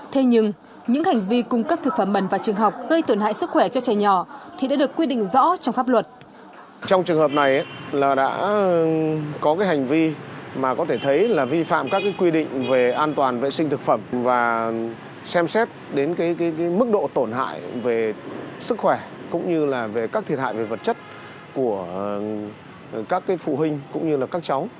thế nhưng những hành vi cung cấp thực phẩm bẩn vào trường học gây tổn hại sức khỏe cho trẻ nhỏ